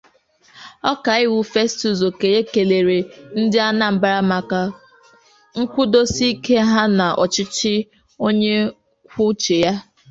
Ọkaiwu Festus Okoye kelere ndị Anambra maka nkwụdosiike ha n'ọchịchị onye kwuo uche ya